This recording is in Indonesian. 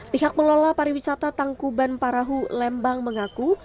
pihak melola pariwisata tangkuban parahu lembang mengaku